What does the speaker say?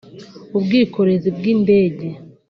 ubwikorezi bw’indege